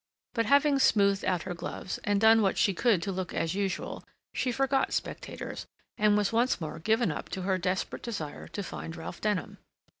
But having smoothed out her gloves, and done what she could to look as usual, she forgot spectators, and was once more given up to her desperate desire to find Ralph Denham.